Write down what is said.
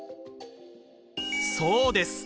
そうです！